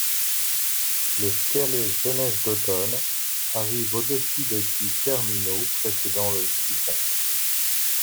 Le scialet Jeunesse d'Automne arrive au dessus des puits terminaux précédant le siphon.